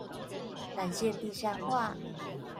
纜線地下化